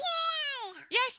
よし！